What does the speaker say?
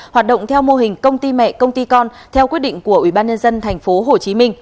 hoạt động theo mô hình công ty mẹ công ty con theo quyết định của ủy ban nhân dân tp hcm